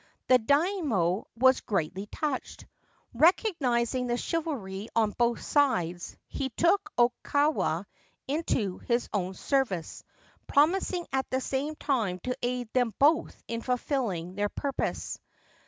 The Daimio was greatly touched. Recognising the chivalry on both sides, he took Okawa into his own service, promising at the same time to aid them both in fulfilling their purpose.